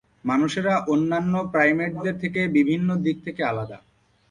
মানুষেরা অন্যান্য প্রাইমেটদের থেকে বিভিন্ন দিক থেকে আলাদা।